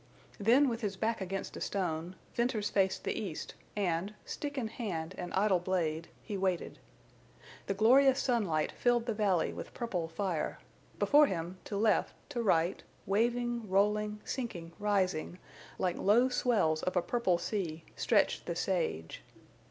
Then, with his back against a stone, Venters faced the east, and, stick in hand and idle blade, he waited. The glorious sunlight filled the valley with purple fire. Before him, to left, to right, waving, rolling, sinking, rising, like low swells of a purple sea, stretched the sage.